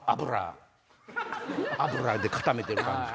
油で固めてる感じとか。